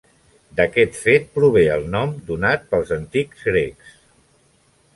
D'aquest fet prové el nom donat pels antics grecs.